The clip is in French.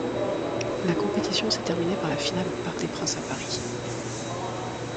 La compétition s'est terminée le par la finale au Parc des Princes à Paris.